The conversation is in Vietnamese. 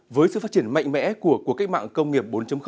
với sự phát triển mạnh mẽ của cuộc cách mạng công nghiệp bốn